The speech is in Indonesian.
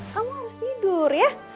kamu harus tidur ya